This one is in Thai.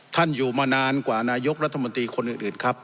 ท่านอยู่มานานกว่านายกรัฐมนตรีคนอื่นครับ